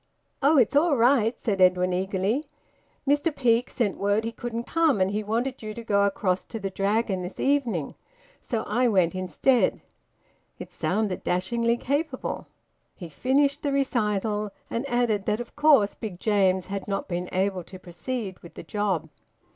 "Oh! It's all right," said Edwin eagerly. "Mr Peake sent word he couldn't come, and he wanted you to go across to the Dragon this evening. So I went instead." It sounded dashingly capable. He finished the recital, and added that of course Big James had not been able to proceed with the job.